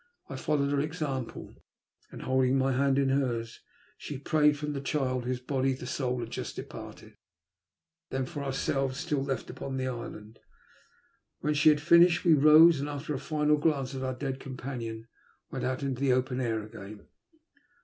I fol lowed her example. Then, holding my hand in hers, she prayed for the child from whose body the soul had just departed ; then for ourselves still left upon the island. When she had finished, we rose, and, after a final glance at our dead companion, went out into the open air again.